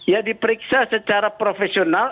ya diperiksa secara profesional